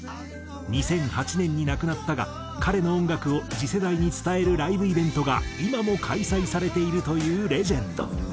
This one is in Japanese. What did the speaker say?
２００８年に亡くなったが彼の音楽を次世代に伝えるライブイベントが今も開催されているというレジェンド。